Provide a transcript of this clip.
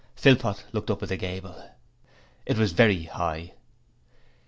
Philpot looked up at the gable. It was very high.